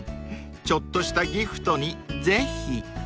［ちょっとしたギフトにぜひ］